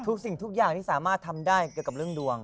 สิ่งทุกอย่างที่สามารถทำได้เกี่ยวกับเรื่องดวง